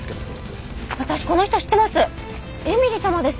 私この人知ってます。